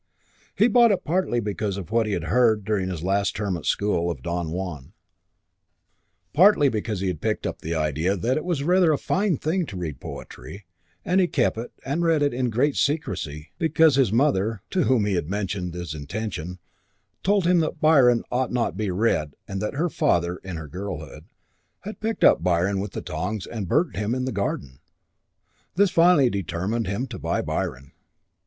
He bought it partly because of what he had heard during his last term at school of Don Juan, partly because he had picked up the idea that it was rather a fine thing to read poetry; and he kept it and read it in great secrecy because his mother (to whom he mentioned his intention) told him that Byron ought not to be read and that her father, in her girlhood, had picked up Byron with the tongs and burnt him in the garden. This finally determined him to buy Byron.